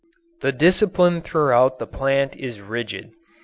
The discipline throughout the plant is rigid.